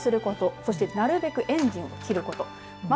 そしてなるべくエンジンを切ること。